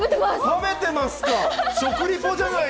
食べてます。